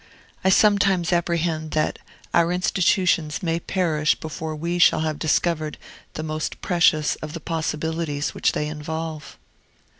I sometimes apprehend that our institutions may perish before we shall have discovered the most precious of the possibilities which they involve.